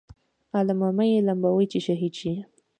عالمه مه یې لمبوئ چې شهید شي.